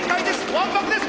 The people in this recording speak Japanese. わんぱくです！